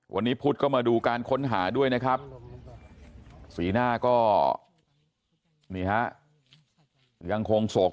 วันนี้พุทธก็มาดูการค้นหาด้วยนะครับสีหน้าก็นี่ฮะยังคงโศก